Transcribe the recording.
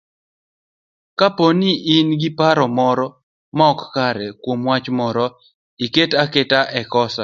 Kapo ni in gi paro moro maok kare kuom wach moro, kik iket kosa